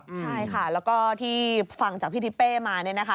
ใช่ค่ะแล้วก็ที่ฟังจากพี่ทิเป้มาเนี่ยนะคะ